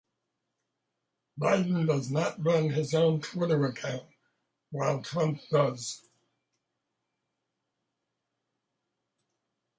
Biden does not run his own Twitter account while Trump does.